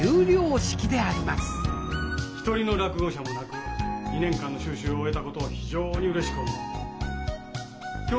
一人の落後者もなく２年間の修習を終えたことを非常にうれしく思う。